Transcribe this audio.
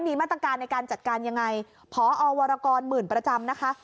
มีมาตรการในการจัดการยังไงพอวรกรหมื่นประจำนะคะ